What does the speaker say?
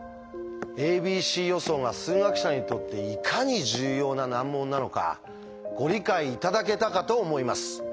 「ａｂｃ予想」が数学者にとっていかに重要な難問なのかご理解頂けたかと思います。